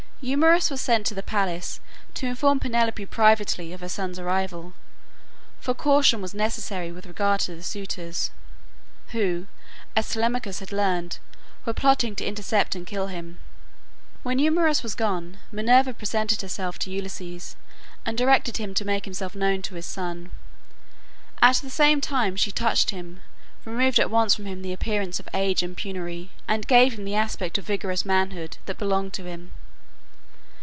Eumaeus was sent to the palace to inform Penelope privately of her son's arrival, for caution was necessary with regard to the suitors, who, as Telemachus had learned, were plotting to intercept and kill him. When Eumaeus was gone, Minerva presented herself to Ulysses, and directed him to make himself known to his son. At the same time she touched him, removed at once from him the appearance of age and penury, and gave him the aspect of vigorous manhood that belonged to him.